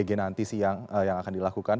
bagaimana nanti sih yang akan dilakukan